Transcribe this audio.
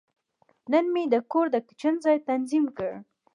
نن مې د کور د کچن ځای تنظیم کړ.